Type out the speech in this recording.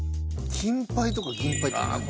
「金杯とか銀杯って」